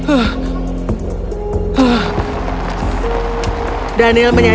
danial menyadari bahwa dia kembali ke alam semestanya